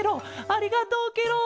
ありがとうケロ！